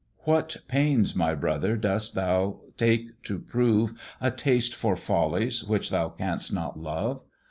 "What pains, my brother, dost thou take to prove A taste for follies which thou canst not love!